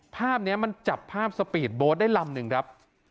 ภาพนี้มันจับภาพสปีดโบ๊ทได้ลำหนึ่งครับ